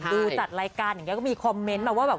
ดูจัดรายการอะไรอย่างเงี้ยก็มีคอมเมนต์มาอะ